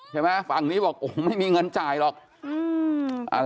ใช่ไหมฝั่งนี้บอกโอ้โหไม่มีเงินจ่ายหรอก